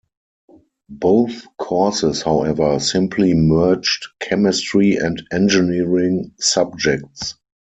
Both courses, however, simply merged chemistry and engineering subjects.